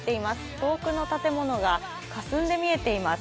遠くの建物がかすんで見えています。